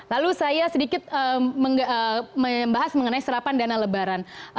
lalu saya sedikit membahas mengenai serapan dana lebaran